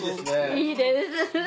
いいです。